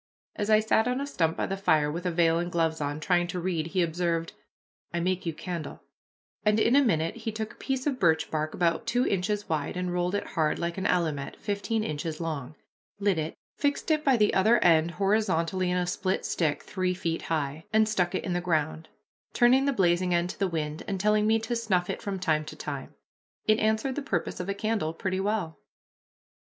As I sat on a stump by the fire with a veil and gloves on, trying to read, he observed, "I make you candle," and in a minute he took a piece of birch bark about two inches wide and rolled it hard, like an allumette fifteen inches long, lit it, fixed it by the other end horizontally in a split stick three feet high, and stuck it in the ground, turning the blazing end to the wind, and telling me to snuff it from time to time. It answered the purpose of a candle pretty well.